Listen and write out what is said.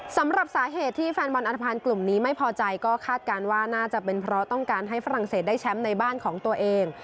สำหรับสาเหตุที่แฟนบอลอันทภัณฑ์กลุ่มนี้ไม่พอใจก็คาดการณ์ว่าน่าจะเป็นเพราะต้องการให้ฝรั่งเศสได้แชมป์ในบ้านของตัวเอง